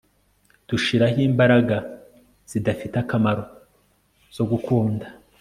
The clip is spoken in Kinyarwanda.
Dushiraho imbaraga zidafite akamaro zo gukunda